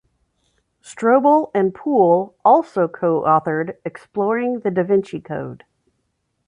Strobel and Poole also co-authored "Exploring the Da Vinci Code".